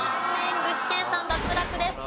具志堅さん脱落です。